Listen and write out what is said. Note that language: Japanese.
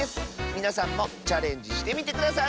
みなさんもチャレンジしてみてください！